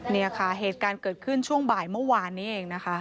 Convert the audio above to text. เนี่ยค่ะเหตุการณ์เกิดขึ้นช่วงบ่ายเมื่อวานนี้เองนะคะ